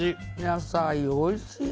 野菜おいしい！